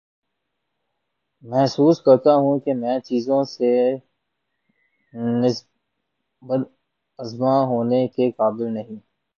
محسوس کرتا ہوں کہ میں چیزوں سے نبرد آزما ہونے کے قابل نہی